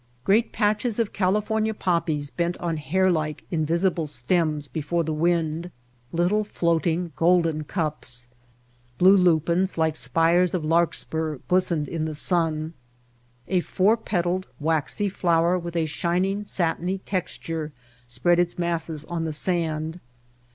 Great patches of California pop pies bent on hairlike, invisible stems before the wind, little floating golden cups. Blue lupins, like spires of larkspur, glistened in the sun. A four petaled, waxy flower with a shining, satiny texture spread in masses on the sand.